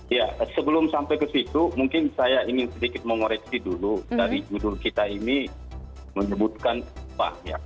ya sebelum sampai ke situ mungkin saya ingin sedikit mengoreksi dulu dari judul kita ini menyebutkan apa